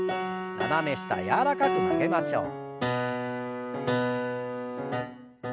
斜め下柔らかく曲げましょう。